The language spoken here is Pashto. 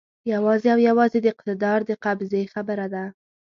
یوازې او یوازې د اقتدار د قبضې خبره ده.